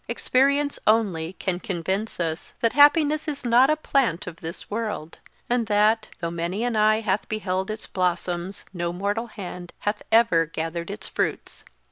Experience only can convince us that happiness is not a plant of this world; and that, though many an eye hath beheld its blossoms no mortal hand hath ever gathered its fruits.